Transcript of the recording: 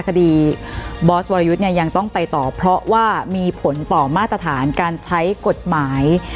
คดีบอสวรยุทธ์เนี่ยยังต้องไปต่อเพราะว่ามีผลต่อมาตรฐานการใช้กฎหมาย